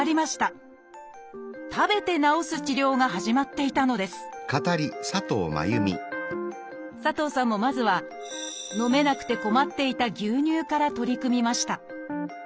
食べて治す治療が始まっていたのです佐藤さんもまずは飲めなくて困っていた牛乳から取り組みました。